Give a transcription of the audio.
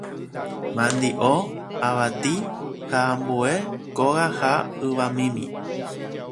mandi'o, avati ha ambue kóga ha yvamimi.